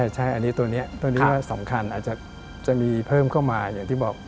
ใช่ตัวนี้สำคัญจะมีเพิ่มเข้ามาอย่างที่บอก